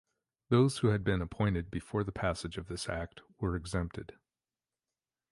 Those who had been appointed before the passage of this Act were exempted.